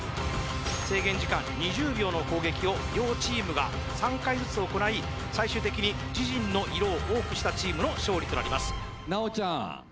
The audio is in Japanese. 制限時間２０秒の攻撃を両チームが３回ずつ行い最終的に自陣の色を多くしたチームの勝利となります奈央ちゃん